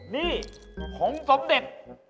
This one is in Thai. นี่ของสมเด็ก